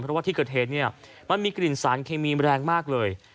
เพราะว่าที่เกิดเหตุเนี่ยมันมีกลิ่นสารเคมีแรงมากเลย